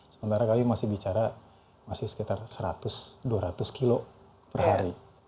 sementara kami masih bicara masih sekitar seratus dua ratus kilo per hari